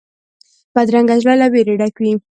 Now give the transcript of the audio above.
بدرنګه زړه له وېرې ډک وي